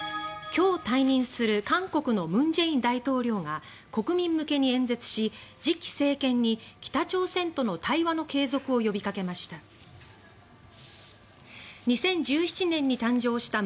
今日退任する韓国の文在寅大統領が国民向けに演説し次期政権に北朝鮮との対話の継続を呼びかけました。